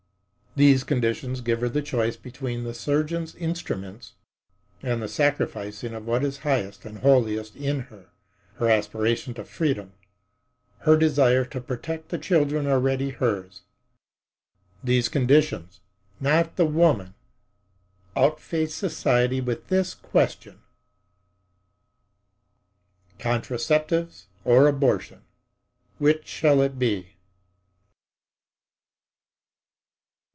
These conditions give her the choice between the surgeon's instruments and the sacrificing of what is highest and holiest in her—her aspiration to freedom, her desire to protect the children already hers. These conditionsnot the woman—outface society with this question:"Contraceptives or Abortion—which shall it be?"